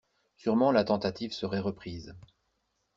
Sûrement la tentative serait reprise.